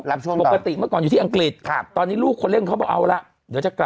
รับช่วงต่อปกติเมื่อก่อนอยู่ที่อังกฤษตอนนี้ลูกคนเล็กของเขาบอกเอาล่ะ